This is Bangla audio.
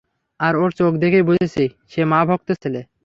আর ওর চোখ দেখেই বুঝেছি, সে মা ভক্ত ছেলে।